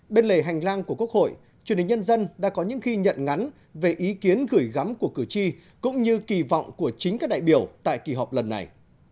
bên lề hành lang của quốc hội truyền hình nhân dân đã có những ghi nhận ngắn về ý kiến gửi gắm của cử tri cũng như kỳ vọng của chính các đại biểu tại kỳ họp lần này